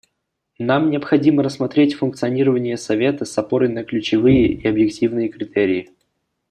Нам необходимо рассмотреть функционирование Совета с опорой на ключевые и объективные критерии.